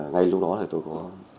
ngay lúc đó thì tôi có